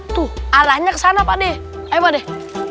tuh alahnya kesana pak dek